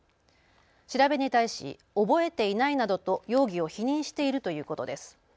調べに対し、覚えていないなどと容疑を否認しているということです。